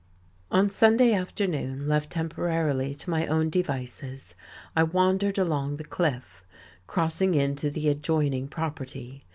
On Sunday afternoon, left temporarily to my own devices, I wandered along the cliff, crossing into the adjoining property.